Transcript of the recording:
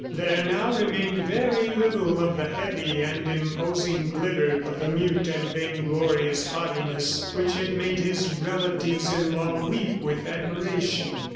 There now remained very little of the heavy and imposing glitter, of the mute and vainglorious haughtiness which had made his relatives in law weep with admiration.